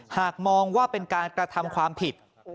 หากมองว่าเป็นการกระทำความผิด